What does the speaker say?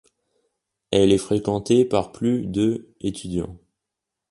Elle est fréquentée par plus de étudiants.